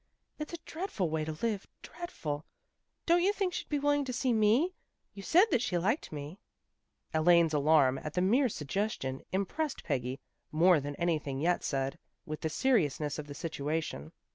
It's a dreadful way to live, dreadful! Don't you think she'd be willing to see me? You said that she liked me." 254 THE GIRLS OF FRIENDLY TERRACE Elaine's alarm at the mere suggestion im pressed Peggy, more than anything yet said, with the seriousness of the situation.